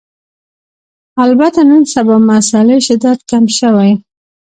البته نن سبا مسألې شدت کم شوی